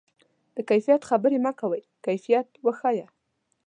د کیفیت خبرې مه کوه، کیفیت وښیه.